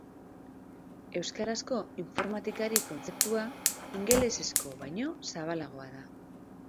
Euskarazko informatikari kontzeptua ingelesezko baino zabalagoa da.